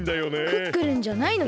クックルンじゃないのに？